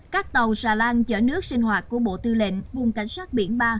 các tàu xà lan chở nước sinh hoạt của bộ tư lệnh vùng cảnh sát biển ba